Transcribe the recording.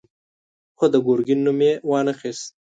خو د ګرګين نوم يې وانه خيست.